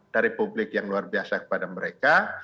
dari publik yang luar biasa kepada mereka